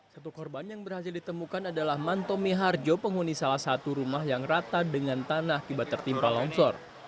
satu korban yang berhasil ditemukan adalah mantomi harjo penghuni salah satu rumah yang rata dengan tanah tiba tiba tertimpa lonsor